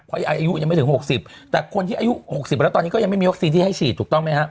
เพราะอายุยังไม่ถึง๖๐แต่คนที่อายุ๖๐แล้วตอนนี้ก็ยังไม่มีวัคซีนที่ให้ฉีดถูกต้องไหมฮะ